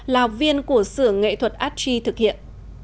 là học viên của sửa nghệ thuật archie thực hiện